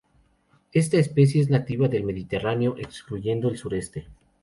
Esta especie es nativa del Mediterráneo, excluyendo el sureste.